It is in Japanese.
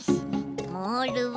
モールは？